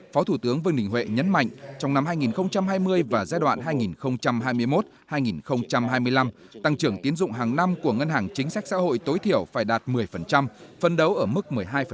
phó thủ tướng vương đình huệ nhấn mạnh trong năm hai nghìn hai mươi và giai đoạn hai nghìn hai mươi một hai nghìn hai mươi năm tăng trưởng tiến dụng hàng năm của ngân hàng chính sách xã hội tối thiểu phải đạt một mươi phân đấu ở mức một mươi hai